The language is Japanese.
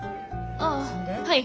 ああはい。